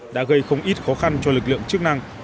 đã gây không ít khó khăn cho lực lượng chức năng